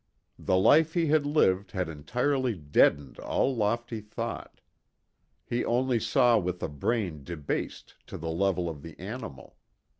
The life he had lived had entirely deadened all lofty thought. He only saw with a brain debased to the level of the animal.